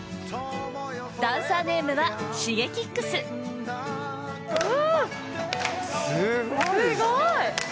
ダンサーネームはＳｈｉｇｅｋｉｘすごい・すごい！